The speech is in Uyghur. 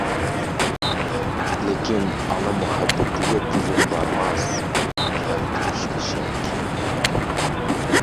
لېكىن ئانا مۇھەببىتىگە، تىلىم بارماس كەلتۈرۈشكە شەك.